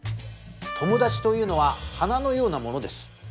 友達というのは花のようなものです。